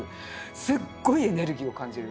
すっごいエネルギーを感じる。